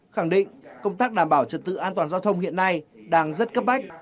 khẳng định công tác đảm bảo trật tự an toàn giao thông hiện nay đang rất cấp bách